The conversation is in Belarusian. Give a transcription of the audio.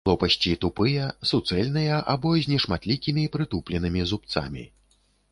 Лопасці тупыя, суцэльныя або з нешматлікімі прытупленым зубцамі.